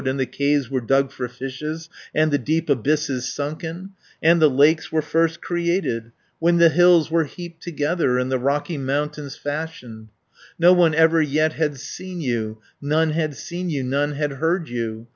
And the caves were dug for fishes, 240 And the deep abysses sunken, And the lakes were first created, When the hills were heaped together, And the rocky mountains fashioned. "No one ever yet had seen you, None had seen you, none had heard you.